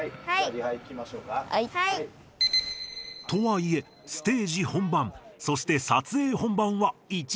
はい！とはいえステージ本番そして撮影本番は１時間後。